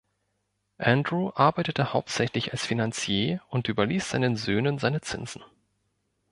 Andrew arbeitete hauptsächlich als Finanzier und überließ seinen Söhnen seine Zinsen.